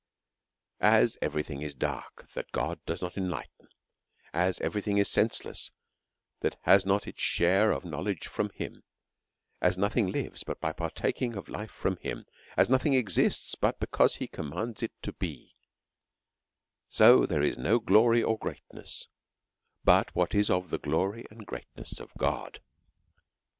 129 As every thing is dark that God does not enlighten • so every thing is senseless that has not it' ^ of knowledge from him ; as noticing lives but by partak ing* of life from him ; as nothing exists but because he commands it to be ; so there is no glory or greatness but what is the glory or greatness >', God.